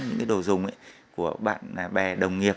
những đồ dùng của bạn bè đồng nghiệp